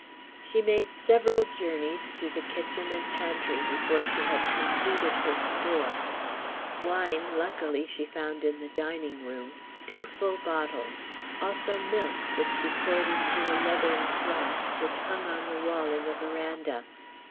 She made several journeys to the kitchen and pantry before she had completed her store. Wine, luckily, she found in the dining room, two full bottles; also milk, which she poured into a leathern flask which hung on the wall in the veranda.